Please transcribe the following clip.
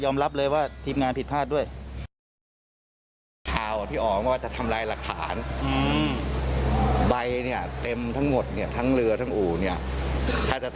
มันมีคนใส่เข้าไปแล้วเขาก็มาเลยคิดอะไรก็หยิบประกอบต่อเลย